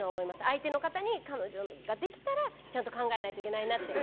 相手の方に彼女ができたらちゃんと考えなきゃいけないなって。